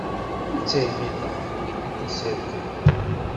Netta iɣil d taqaḥbit i d-yesserkeb.